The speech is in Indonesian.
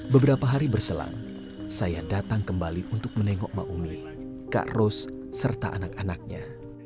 beberapa hari berselang saya datang kembali untuk menengok maumi kak ros serta anak anaknya